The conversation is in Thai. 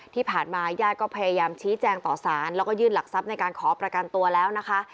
ที่ผ่านมาญาติก็พยายามชี้แจงต่อสารแล้วก็ยื่นหลักทรัพย์ในการขอประกันตัวแล้วนะคะ